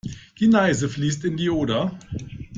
Die Neiße fließt in die Oder.